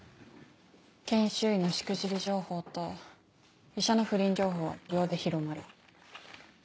研修医のしくじり情報と医者の不倫情報は秒で広まる。